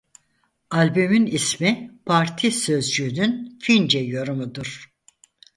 Albümün ismi "parti" sözcüğünün Fince yorumudur.